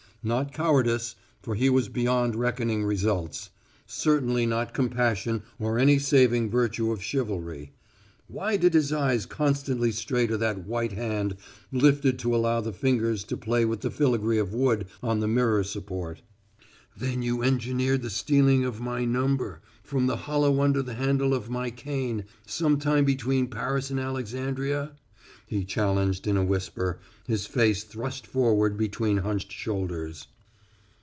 Not cowardice, for he was beyond reckoning results. Certainly not compassion or any saving virtue of chivalry. Why did his eyes constantly stray to that white hand lifted to allow the fingers to play with the filigree of wood on the mirror support? "Then you engineered the stealing of my number from the hollow under the handle of my cane some time between Paris and Alexandria?" he challenged in a whisper, his face thrust forward between hunched shoulders.